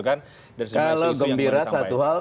kalau gembira satu hal